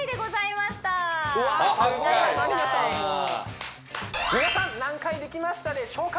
まりなさんも皆さん何回できましたでしょうか？